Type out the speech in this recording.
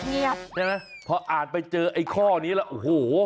อย่างนี้นะเพราะอาจไปเจอข้อนี้แล้วโอ้โฮ